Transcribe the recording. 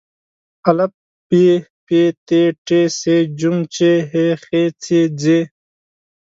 ا ب پ ت ټ ث ج چ ح خ څ ځ